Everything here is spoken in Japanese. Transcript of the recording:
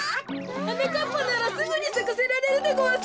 はなかっぱならすぐにさかせられるでごわす。